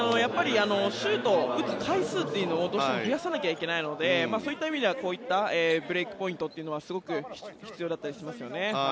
シュートを打つ回数というのをどうしても増やさないといけないのでそういった意味ではこういったブレークポイントというのはすごく必要だったりしますね。